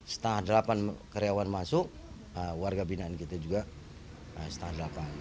setengah delapan karyawan masuk warga binaan kita juga setengah delapan